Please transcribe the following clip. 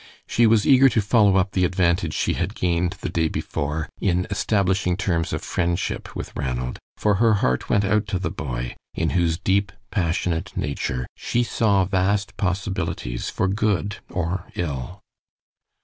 She was eager to follow up the advantage she had gained the day before in establishing terms of friendship with Ranald, for her heart went out to the boy, in whose deep, passionate nature she saw vast possibilities for good or ill.